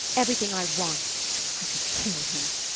Everything I want. I could kill him